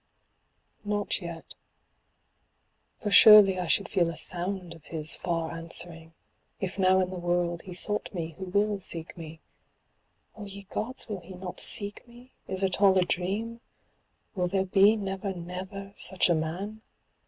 Not yet. For surely I should feel a sound of his far answering, if now in the world he sought me who will seek me — Oh ye gods will he not seek me? Is it all a dream? will there be never never such a man?